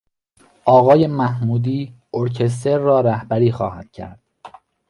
آقای محمودی ارکستر را رهبری خواهد کرد.